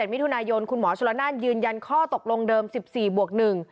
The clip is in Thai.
มิถุนายนคุณหมอชลนานยืนยันข้อตกลงเดิม๑๔บวก๑